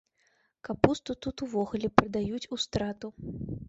Капусту тут увогуле прадаюць у страту!